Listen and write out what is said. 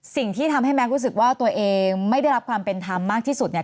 สิ่งที่ทำให้แม็กซรู้สึกว่าตัวเองไม่ได้รับความเป็นธรรมมากที่สุดเนี่ย